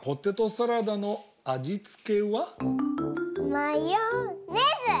マヨネーズ！